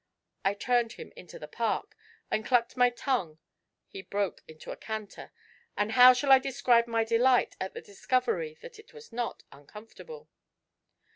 I turned him into the Park, and clucked my tongue: he broke into a canter, and how shall I describe my delight at the discovery that it was not uncomfortable?